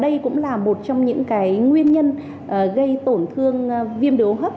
đây cũng là một trong những nguyên nhân gây tổn thương viêm đố hấp